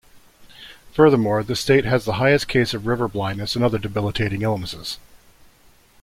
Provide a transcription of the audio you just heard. Furthermore, the state has the highest case of river blindness and other debilitating illnesses.